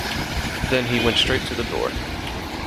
Then he went straight to the door.